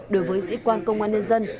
đối với sĩ quan công an nhân dân